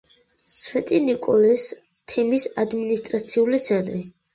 სვეტი-ნიკოლეს თემის ადმინისტრაციული ცენტრი.